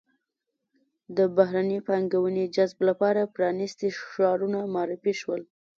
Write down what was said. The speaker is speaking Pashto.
د بهرنۍ پانګونې جذب لپاره پرانیستي ښارونه معرفي شول.